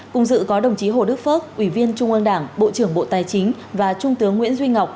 cùng dự có đồng chí hồ đức phước ủy viên trung ương đảng bộ trưởng bộ tài chính và trung tướng nguyễn duy ngọc